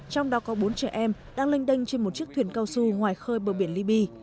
trong đó có bốn trẻ em đang lênh đênh trên một chiếc thuyền cao su ngoài khơi bờ biển libya